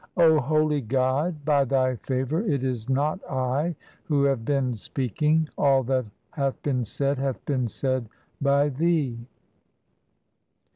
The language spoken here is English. O holy God, by Thy favour it is not I who have been speaking ; all that hath been said hath been said by Thee.